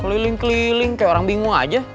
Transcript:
keliling keliling kayak orang bingung aja